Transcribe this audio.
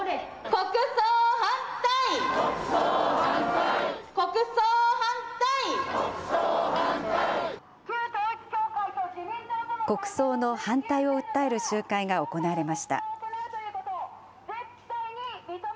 国葬の反対を訴える集会が行われました。